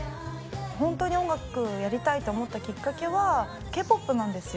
本当に音楽やりたいと思ったきっかけは、Ｋ−ＰＯＰなんですよ。